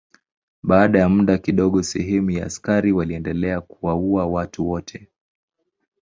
Baada ya muda kidogo sehemu ya askari waliendelea kuwaua watu wote.